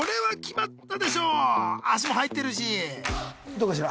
どうかしら？